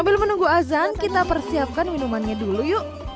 sambil menunggu azan kita persiapkan minumannya dulu yuk